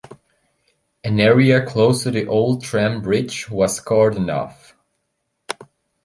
An area close to the Old Tram Bridge was cordoned off.